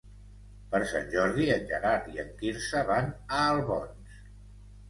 Per Sant Jordi en Gerard i en Quirze van a Albons.